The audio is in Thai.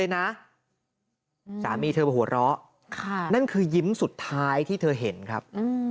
นั่นคือยิ้มสุดท้ายที่เธอเห็นครับ